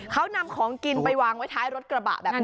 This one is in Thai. เขานำของกินไปวางไว้ท้ายรถกระบะแบบนี้